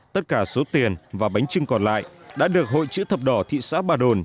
tất cả số tiền và bánh trưng còn lại đã được hội chữ thập đỏ thị xã bà đồn